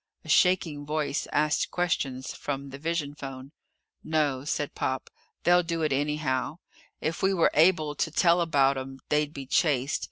A shaking voice asked questions from the vision phone. "No," said Pop, "they'll do it anyhow. If we were able to tell about 'em, they'd be chased.